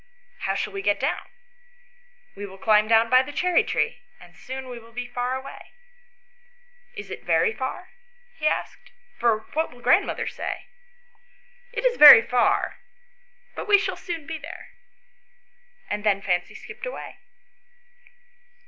" How shall we get down ?" "We will climb down by the cherry tree, and soon we will be far away." 116 ANYHOW STORIES. [STORY " Is it very far ?" lie asked ;" for what will grand mother say ?"" It is very far, but we shall soon be there ;" and then Fancy skipped away.